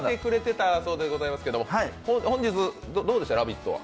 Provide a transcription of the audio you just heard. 本日どうでした「ラヴィット！」は？